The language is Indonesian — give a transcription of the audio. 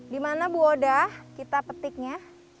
di mana bu odah kita petiknya